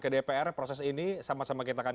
ke dpr proses ini sama sama kita akan